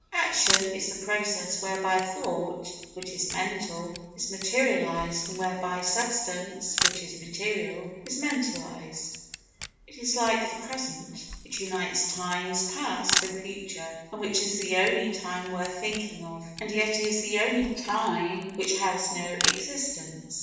Action is the process whereby thought, which is mental, is materialised and whereby substance, which is material, is mentalised. It is like the present, which unites times past and future and which is the only time worth thinking of and yet is the only time which has no existence.